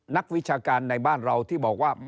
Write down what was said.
วิชาการในบ้านเราที่บอกว่า